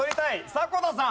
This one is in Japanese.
迫田さん。